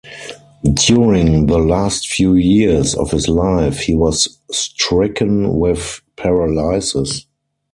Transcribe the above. During the last few years of his life he was stricken with paralysis.